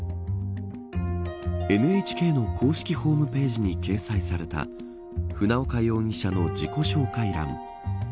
ＮＨＫの公式ホームページに掲載された船岡容疑者の自己紹介欄。